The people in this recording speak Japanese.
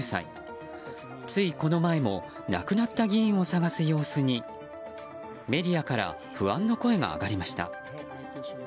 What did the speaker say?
ついこの前も亡くなった議員を探す様子にメディアから不安の声が上がりました。